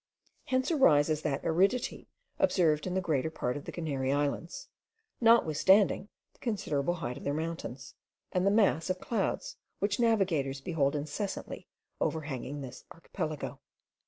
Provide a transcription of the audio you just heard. Hence arises that aridity observed in the greater part of the Canary Islands, notwithstanding the considerable height of their mountains, and the mass of clouds which navigators behold incessantly overhanging this archipelago.